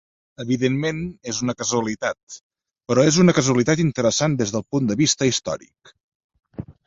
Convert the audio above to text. Evidentment és una casualitat, però és una casualitat interessant del punt de vista històric.